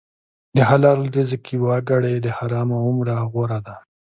د حلال رزق یوه ګړۍ د حرامو عمره غوره ده.